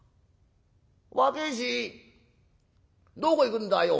「若え衆どこ行くんだよ。